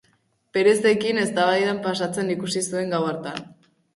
Perezekin eztabaidan pasatzen ikusi zuen gau hartan.